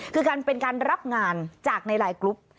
คือการเป็นการรับงานจากในไลน์กรุ๊ป